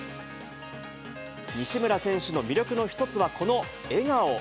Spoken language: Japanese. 西村選手の魅力の一つはこの笑顔。